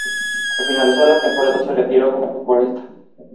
Al finalizar la temporada se retiró como futbolista.